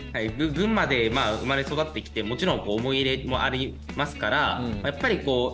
群馬で生まれ育ってきてもちろん思い入れもありますからやっぱりこう。